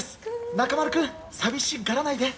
中丸君、寂しがらないで。